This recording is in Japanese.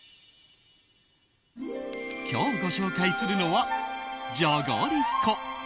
今日ご紹介するのは、じゃがりこ。